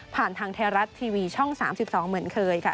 ผ่านทางเทราะส์ทีวีช่อง๓๒เหมือนเคยค่ะ